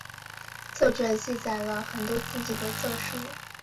作者记载了很多自己的奏疏。